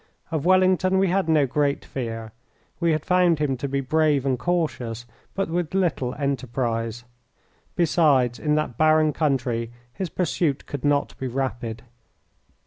Of Wellington we had no great fear. We had found him to be brave and cautious, but with little enterprise. Besides, in that barren country his pursuit could not be rapid.